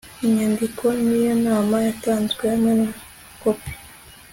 inyandiko y iyo nama yatanzwe hamwe na kopi